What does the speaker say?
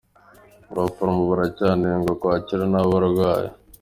Abaforomo baracyanengwa kwakira nabi abarwayi